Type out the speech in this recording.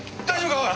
大丈夫か？